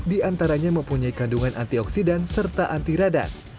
diantaranya mempunyai kandungan antioksidan serta anti radan